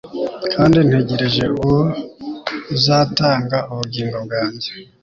kandi ntegereje uwo uzatanga ubugingo bwanjye